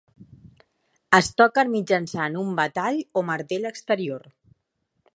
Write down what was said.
Es toquen mitjançant un batall o martell exterior.